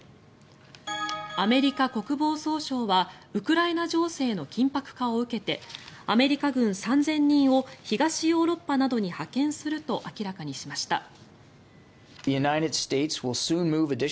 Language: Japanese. アメリカ国防総省はウクライナ情勢の緊迫化を受けてアメリカ軍３０００人を東ヨーロッパなどに派遣すると明らかにしました。